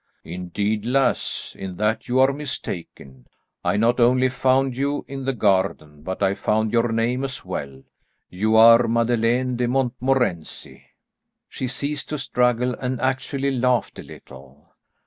'" "Indeed, lass, in that you are mistaken. I not only found you in the garden, but I found your name as well. You are Madeleine de Montmorency." She ceased to struggle, and actually laughed a little.